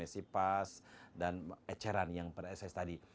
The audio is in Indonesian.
sipas dan eceran yang per ess tadi